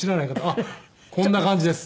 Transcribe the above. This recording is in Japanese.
あっこんな感じです。